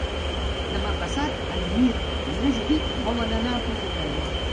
Demà passat en Mirt i na Judit volen anar a Poboleda.